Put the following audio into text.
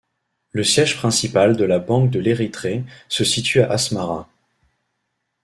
Le siège principal de la Banque de l'Érythrée se situe à Asmara.